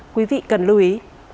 quý vị cần lưu ý